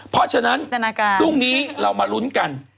เพราะฉะนั้นพรุ่งนี้เรามาลุ้นกัน